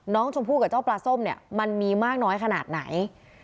น้องชมพู่กับเจ้าปลาส้มเนี่ยมันมีมากน้อยขนาดไหน